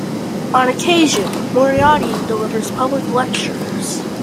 On occasion, Moriarty delivers public lectures.